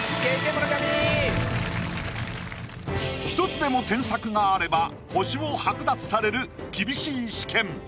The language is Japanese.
１つでも添削があれば星を剥奪される厳しい試験。